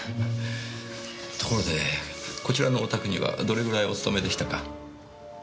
ところでこちらのお宅にはどれぐらいお勤めでしたか？